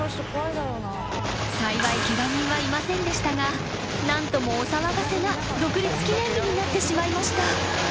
［幸いケガ人はいませんでしたが何ともお騒がせな独立記念日になってしまいました］